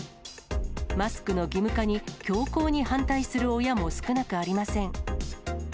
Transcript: マスクの義務化に強硬に反対する親も少なくありません。